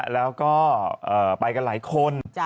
แล้วก็ไปกันหลายคน